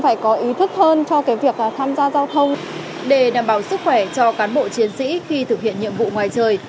đảm bảo sức khỏe cho cán bộ chiến sĩ khi thực hiện nhiệm vụ ngoài trời